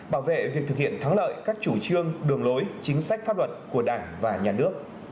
bảo vệ việc thực hiện thắng lợi các chủ trương đường lối chính sách pháp luật của đảng và nhà nước